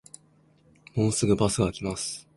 もうすぐバスが来ます